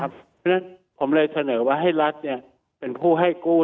เพราะฉะนั้นผมเลยเสนอว่าให้รัฐเป็นผู้ให้กู้